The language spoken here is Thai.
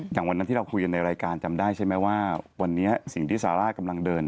อย่างวันนั้นที่เราคุยกันในรายการจำได้ใช่ไหมว่าวันนี้สิ่งที่ซาร่ากำลังเดิน